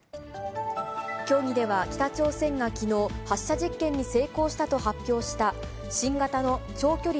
協議では北朝鮮がきのう、発射実験に成功したと発表した新型の長距離